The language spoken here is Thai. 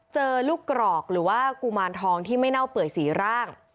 เจอลูกกรอกหรือว่ากุมารทองที่ไม่เน่าเปื่อยสีร่าง